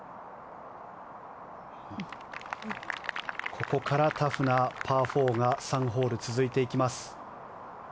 ここからタフなパー４が３ホール続いていきます。